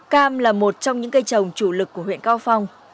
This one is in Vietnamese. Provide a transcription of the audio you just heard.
cam là một trong những cây trồng chủ lực của huyện cao phong